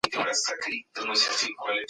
چاپېریال د ژوند امانت دی.